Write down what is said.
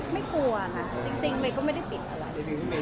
กลัวค่ะจริงเมย์ก็ไม่ได้ปิดอะไร